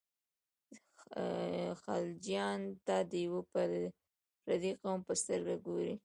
خلجیانو ته د یوه پردي قوم په سترګه ګوري.